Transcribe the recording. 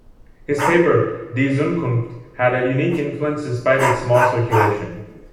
His paper, "Die Zukunft", had a unique influence despite its small circulation.